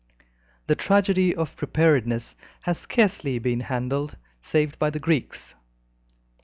The tragedy of preparedness has scarcely been handled, save by the Greeks.